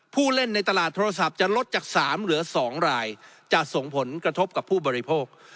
ผู้เล่นในตลาดโทรศัพท์จะลดจาก๓เหลือ๒รายจะส่งผลกระทบกับผู้บริโภค